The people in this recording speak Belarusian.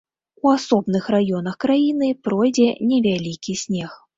У асобных раёнах краіны пройдзе невялікі снег.